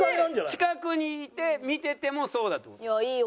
近くにいて見ててもそうだって事？